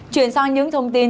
chuyển sang những thông tin